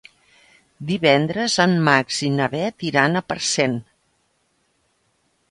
Divendres en Max i na Bet iran a Parcent.